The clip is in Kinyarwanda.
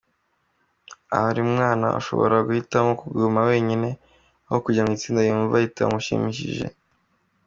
Yagize ati “Kera murabizi ko iyo umuntu yabaga yishe undi bamuhoreraga, na we bakamwica.